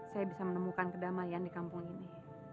saya bisa menemukan kedamaian di kampung ini